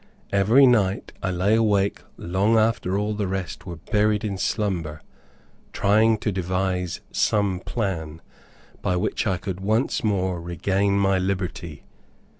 Every night I lay awake long after all the rest were buried in slumber, trying to devise some plan, by which I could once more regain my liberty.